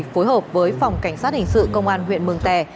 phối hợp với phòng cảnh sát hình sự công an huyện mường tè